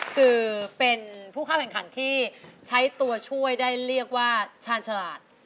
คือเป็นผู้เข้าแข่งขันที่ใช้ตัวช่วยได้เรียกว่าชาญฉลาด